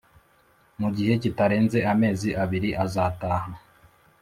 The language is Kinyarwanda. Mu gihe kitarenze amezi abiri azataha.